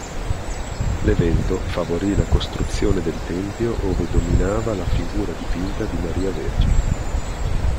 L'evento favorì la costruzione del tempio ove dominava la figura dipinta di Maria Vergine.